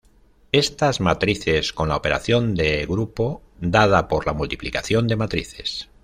Estas matrices, con la operación de grupo dada por la multiplicación de matrices.